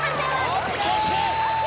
ＯＫ！